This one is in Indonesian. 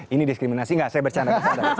ini diskriminasi nggak saya bercanda